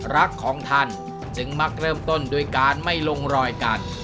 รักของท่านจึงมักเริ่มต้นด้วยการไม่ลงรอยกัน